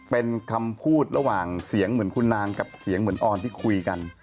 เป็นคำพูดระหว่างเสียงเหมือนคุณนางกับเสียงเหมือนออนที่คุยกัน